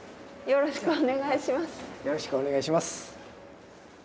よろしくお願いします。